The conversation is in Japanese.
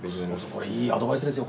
いいアドバイスですよ